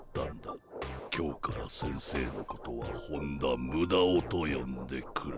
今日から先生のことは本田ムダオとよんでくれ。